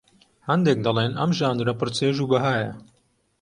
هەندێک دەڵێن ئەم ژانرە پڕ چێژ و بەهایە